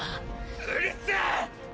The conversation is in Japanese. うるせぇ！！？